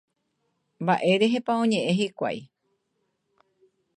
Mba'e rehépa oñe'ẽ hikuái.